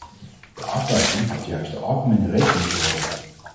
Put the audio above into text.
De afwijking had juist de algemene regel moeten worden.